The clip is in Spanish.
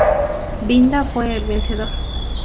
Binda fue el vencedor.